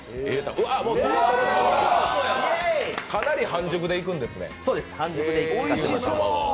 かなり半熟でいくんですね。